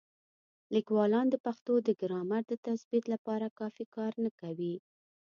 لیکوالان د پښتو د ګرامر د تثبیت لپاره کافي کار نه کوي.